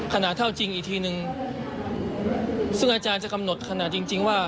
เท่าจริงอีกทีนึงซึ่งอาจารย์จะกำหนดขนาดจริงจริงว่า